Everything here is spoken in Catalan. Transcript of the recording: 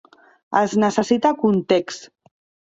Es necessita context.